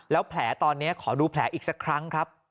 แล้วแผลตอนนี้ขอดูแผลอีกสักครั้งครับ